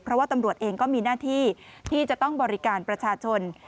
เพราะว่าตำรวจเองก็มีหน้าที่ที่จะต้องบริการประชาชน